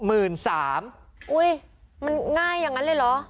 อุ๊ยมันง่ายอย่างนั้นเลยเหรอ